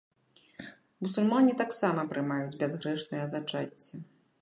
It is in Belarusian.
Мусульмане таксама прымаюць бязгрэшнае зачацце.